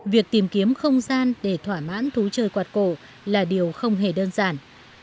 việc tìm kiếm không gian để thỏa mãn thú chơi quạt cổ là điều không hề đơn giản